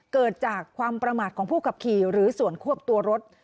เกิดจากความประมาทของผู้ขับขี่หรือส่วนควบตัวรถ